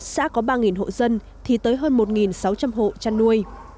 xã có ba hộ dân thì tới hơn một sáu trăm linh hộ chăn nuôi